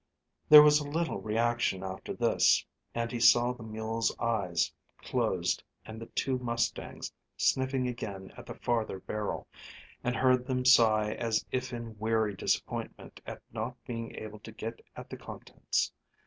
There was a little reaction after this, and he saw the mule's eyes closed and the two mustangs sniffing again at the farther barrel, and heard them sigh as if in weary disappointment at not being able to get at the contents.